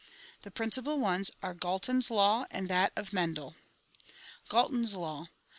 The principal ones are Galton's law and that of Men del. Galton's Law.